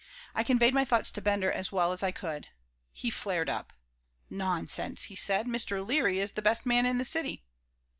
I conveyed my thoughts to Bender as well as I could He flared up. "Nonsense," he said, "Mr. Leary is the best man in the city.